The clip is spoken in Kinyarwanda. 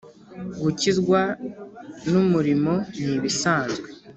Gukizwa n’umurimo ni ibisanzwe